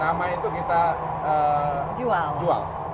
nama itu kita jual